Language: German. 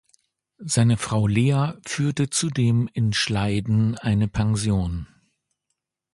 Seine Frau Lea führte zudem in Schleiden eine Pension.